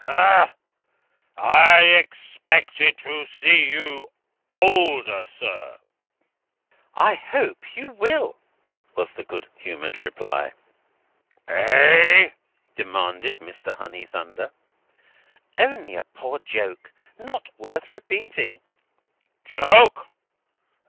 "Hah! I expected to see you older, sir." "I hope you will," was the good humoured reply. "Eh?" demanded Mr. Honeythunder. "Only a poor little joke. Not worth repeating." "Joke?